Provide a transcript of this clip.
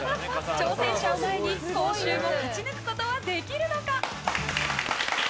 挑戦者を前に今週も勝ち抜くことができるのか。